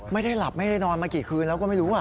ไม่ได้หลับไม่ได้นอนมากี่คืนแล้วก็ไม่รู้